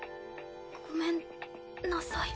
ごめんなさい。